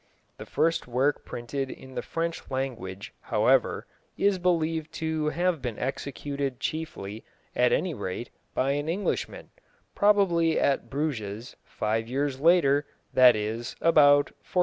The first work printed in the French language, however, is believed to have been executed, chiefly, at any rate, by an Englishman, probably at Bruges, five years later, that is, about 1476.